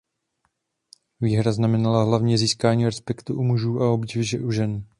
Výhra znamenala hlavně získání respektu u mužů a obdivu u žen.